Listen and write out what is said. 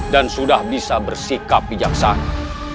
dan sudah bisa bersikap bijaksana